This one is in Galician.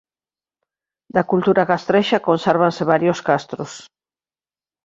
Da cultura castrexa consérvanse varios castros.